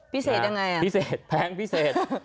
พิเศษยังไงอ่ะพิเศษแพงพิเศษ